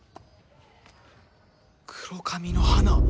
「黒髪の花」。